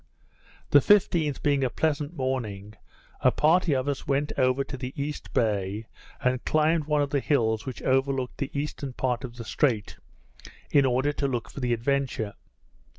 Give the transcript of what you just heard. The 15th being a pleasant morning, a party of us went over to the East Bay, and climbed one of the hills which overlooked the eastern part of the Strait, in order to look for the Adventure.